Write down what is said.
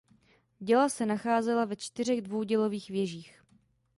Děla se nacházela ve čtyřech dvoudělových věžích.